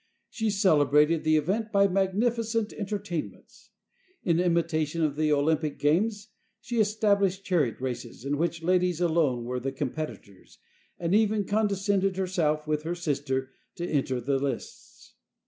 She celebrated the event by magnificent entertainments. In imitation of the Olympic games, she established chariot races, in which ladies alone were the competitors, and even condescended herself, with her sister, to enter the lists.